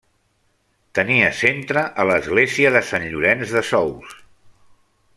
Tenia centre a l'església de Sant Llorenç de Sous.